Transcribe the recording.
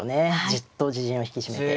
じっと自陣を引き締めて。